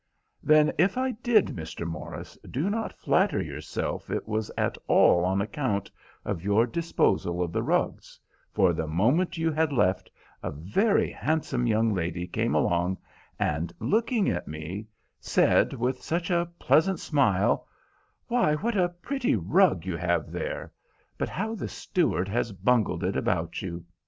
"Then, if I did, Mr. Morris, do not flatter yourself it was at all on account of your disposal of the rugs, for the moment you had left a very handsome young lady came along, and, looking at me, said, with such a pleasant smile, 'Why, what a pretty rug you have there; but how the steward has bungled it about you!